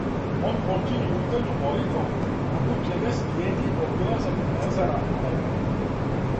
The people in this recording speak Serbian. Он почиње јутарњом молитвом, након чега слиједи обилазак мезара предака.